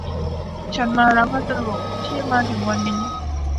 ฉันมารับพัสดุที่มาถึงวันนี้